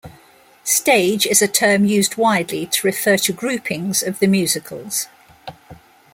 "Stage" is a term used widely to refer to groupings of the musicals.